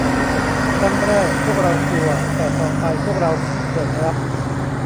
ครั้งแรกพวกเรากลัวแต่ต่อไปพวกเราเปิดรับ